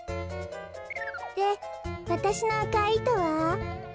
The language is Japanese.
でわたしのあかいいとは？